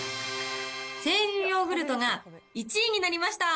生乳ヨーグルトが１位になりました。